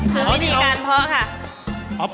คือวิธีการเพาะค่ะ